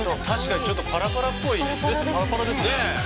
確かにちょっとパラパラっぽい。